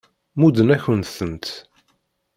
Mudden-akent-tent.